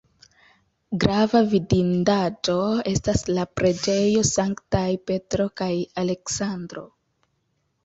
Grava vidindaĵo estas la preĝejo Sanktaj Petro kaj Aleksandro.